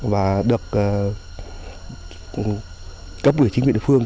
và được cấp ủy chính quyền đơn phương